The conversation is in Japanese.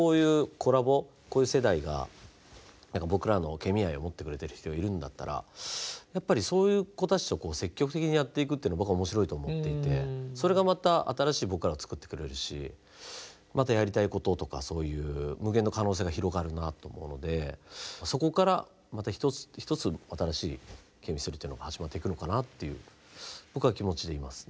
こういう世代が僕らのケミ愛を持ってくれてる人がいるんだったらそういう子たちと積極的にやっていくって僕は面白いと思っていてそれがまた新しい僕らをつくってくれるしまたやりたいこととかそういう無限の可能性が広がるなと思うのでそこからまた一つ新しいＣＨＥＭＩＳＴＲＹというのが始まっていくのかなっていう僕は気持ちでいますね。